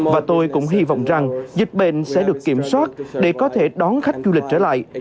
và tôi cũng hy vọng rằng dịch bệnh sẽ được kiểm soát để có thể đón khách du lịch trở lại